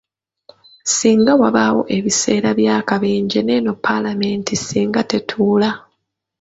Singa wabaawo ebiseera bya kabenje neeno palamenti singa tetuula.